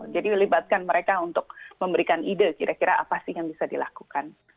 jadi libatkan mereka untuk memberikan ide kira kira apa sih yang bisa dilakukan